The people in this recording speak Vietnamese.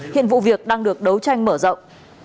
hiện vụ việc đang được đấu tranh mở rộng